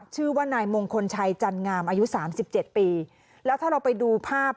ชื่อว่านายมงคลชัยจันงามอายุ๓๗ปีแล้วถ้าเราไปดูภาพ